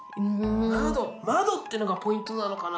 窓窓ってのがポイントなのかな。